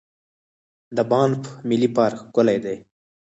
د بانف ملي پارک ښکلی دی.